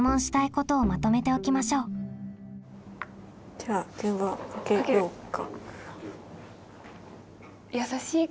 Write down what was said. じゃあ電話かけようか。